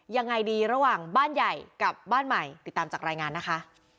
ยังไงดีระหว่างบ้านใหญ่กับบ้านใหม่ติดตามจากรายงานนะคะ